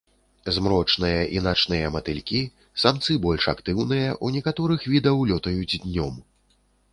Змрочныя і начныя матылькі, самцы больш актыўныя, у некаторых відаў лётаюць днём.